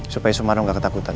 supaya sumarno gak ketakutan